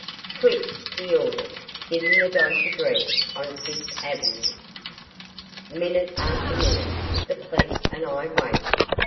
"Quick!" he ordered, giving the Dodge address on Fifth Avenue. Minute after minute the police and I waited.